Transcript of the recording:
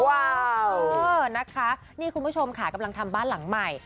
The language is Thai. ว้าวนะคะนี่คุณผู้ชมค่ะกำลังทำบ้านหลังใหม่